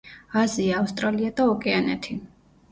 აზია, ავსტრალია და ოკეანეთი.